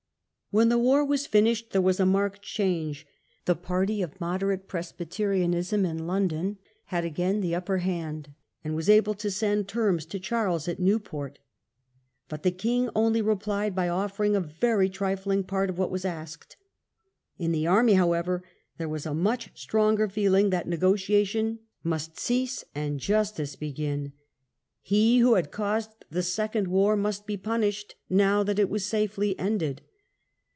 When the war was finished there was a marked change. The party of moderate Presbyterianism in London had again the upper hand, and was able to send Result of the terms to Charles at Newport. But the king war in only replied by offering a very trifling part of ^"e^ what was asked. In the army, however, there was a much stronger feeling that negotiation must cease and justice begin. He who had caused the second war must be punished now that it was safely ended.